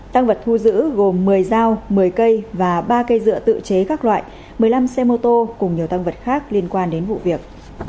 tăng vật thu giữ gồm một mươi dao một mươi cây và ba cây dựa tự chế các loại một mươi năm xe mô tô cùng nhiều tăng vật khác liên quan đến vụ việc